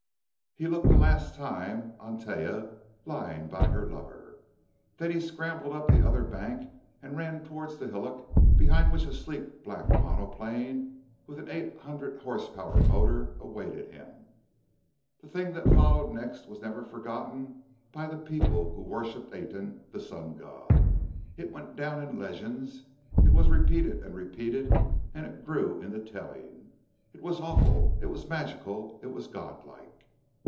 He looked a last time on Taia, lying by her lover. Then he scrambled up the other bank and ran towards the hillock behind which a sleek black monoplane with an eight hundred horse power motor awaited him.... The thing that followed next was never forgotten by the people who worshipped Aten, the Sun God. It went down in legends; it was repeated and repeated, and it grew in the telling. It was awful; it was magical; it was godlike.